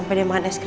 masuk masuk masuk